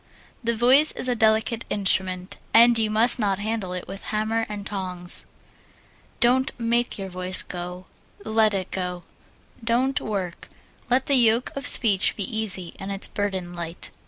The voice is a delicate instrument, and you must not handle it with hammer and tongs. Don't make your voice go let it go. Don't work. Let the yoke of speech be easy and its burden light.